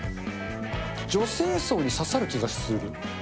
女性層に刺さる気がする。